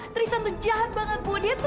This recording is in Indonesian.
tristan itu jahat banget bu dia itu